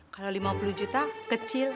kalau lima puluh juta kecil